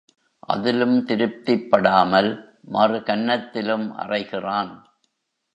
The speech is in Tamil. அதிலும் திருப்திப்படாமல், மறுகன்னத்திலும் அறைகிறான்.